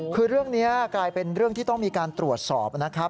คือเรื่องนี้กลายเป็นเรื่องที่ต้องมีการตรวจสอบนะครับ